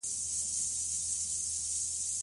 تاریخ د افغانستان د چاپیریال د مدیریت لپاره مهم دي.